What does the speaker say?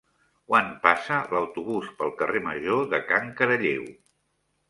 Quan passa l'autobús pel carrer Major de Can Caralleu?